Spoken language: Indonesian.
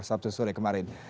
sabtu sore kemarin